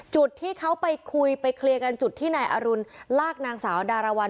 จุดที่เขาไปคุยไปเคลียร์กันจุดที่นายอรุณลากนางสาวดารวรรณ